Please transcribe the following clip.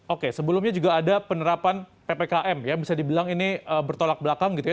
oke sebelumnya juga ada penerapan ppkm ya bisa dibilang ini bertolak belakang gitu ya